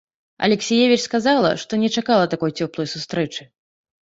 Алексіевіч сказала, што не чакала такой цёплай сустрэчы.